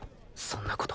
そんな事。